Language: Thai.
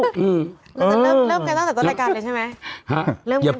เราจะเริ่มกันตั้งแต่ต้นรายการเลยใช่ไหม